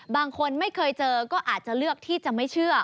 บางคนไม่เคยเจอก็อาจจะเลือกที่จะไม่เชื่อ